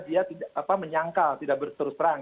dia menyangkal tidak berseru serang